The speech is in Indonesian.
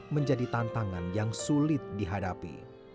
menjadi tantangan yang sulit dihadapi